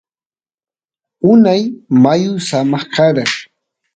unay mayu samaq kara